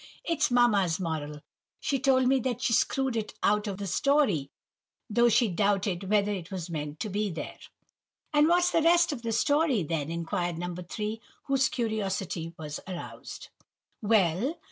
It's mamma's moral. She told me she had screwed it out of the story, though she doubted whether it was meant to be there." "And what's the rest of the story then?" inquired No. 3, whose curiosity was aroused. "Well!